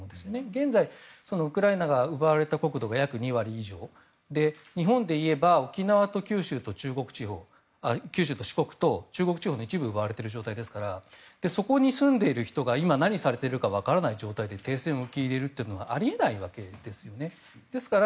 現在、ウクライナが奪われた国土が約２割以上で日本でいえば沖縄と九州と四国と中国地方の一部を奪われている状態ですからそこに住んでいる人が今、何をされているか分からない状態で停戦を受け入れるのはあり得ないわけですよね。